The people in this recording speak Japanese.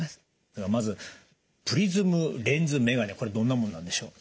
ではまずプリズムレンズメガネこれはどんなもんなんでしょう？